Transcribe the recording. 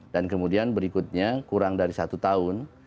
dan kemudian berikutnya kurang dari satu tahun